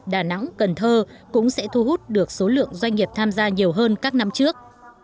đà nẵng cần thơ cũng sẽ thu hút được số lượng doanh nghiệp tham gia nhiều hơn các năm trước